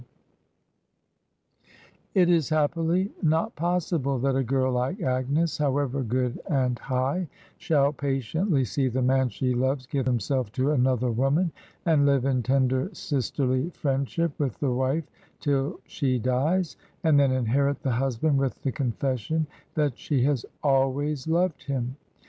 It 151 Digitized by VjOOQIC HEROINES OF FICTION is happily not possible that a girl like Agnes^ however ^good and high, shall patiently see the man she loves give himself to another woman, and live in tender sister ly friendship with the wife till she dies, and then inherit the husband with the confession that she has always loved him.